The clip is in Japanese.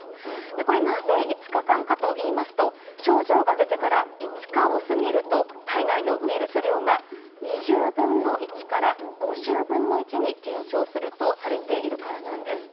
これ、なぜ５日間かといいますと症状が出てから５日を過ぎると体内のウイルス量が２０分の１から５０分の１に減少するとされているからなんです。